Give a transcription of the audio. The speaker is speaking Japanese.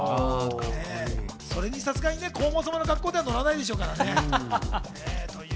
それにさすがに黄門様の格好では乗らないでしょうからね。